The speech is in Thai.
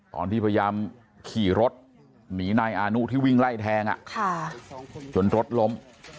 ตอนที่พยายามขี่รถหนีนายอานุที่วิ่งไล่แทงจนรถล้ม